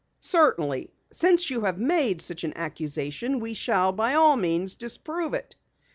"Certainly. Since you have made such an accusation we shall by all means disprove it."